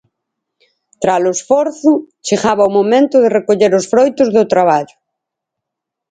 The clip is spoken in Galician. Tras o esforzo, chegaba o momento de recoller os froitos do traballo.